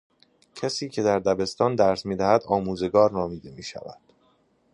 کسی که در دبستان درس میدهد آموزگار نامیده میشود.